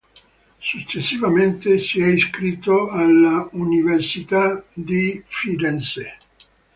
Successivamente si è iscritto alla Marshall University.